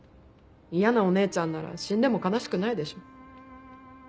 嫌なお姉ちゃんなら死んでも悲しくないでしょ。